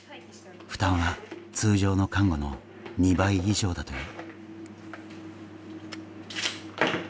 負担は通常の看護の２倍以上だという。